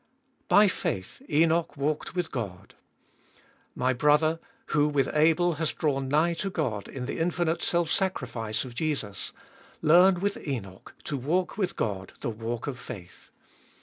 By faith Enoch walked with God. My brother, who with Abel hast drawn nigh to God in the infinite self sacrifice of 432 Cbe ibolfest of Jesus, learn with Enoch to walk with God the walk of faith.